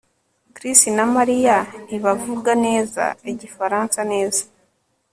Chris na Mariya ntibavuga neza igifaransa neza